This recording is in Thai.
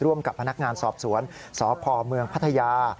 กับพนักงานสอบสวนสพเมืองพัทยา